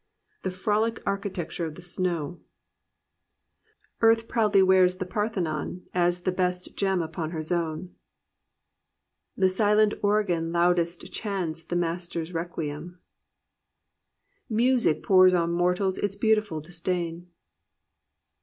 "The frolic architecture of the snow." Earth proudly wears the Parthenon, As the best gem upon her zone " The silent organ loudest chants The Master's requiem." Music p)ours on mortals Its beautiful disdain.'